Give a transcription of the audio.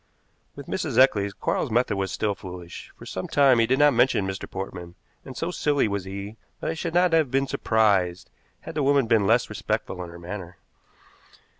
With Mrs. Eccles Quarles's method was still foolish. For some time he did not mention Mr. Portman, and so silly was he that I should not have been surprised had the woman been less respectful in her manner.